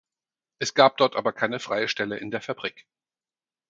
Es gab dort aber keine freie Stelle in der Fabrik.